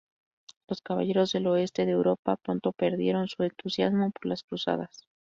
Los caballeros del oeste de Europa pronto perdieron su entusiasmo por las cruzadas.